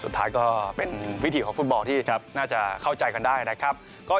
สุดท้ายก็เป็นวิถีของฟุตบอลที่น่าจะเข้าใจกันได้นะครับ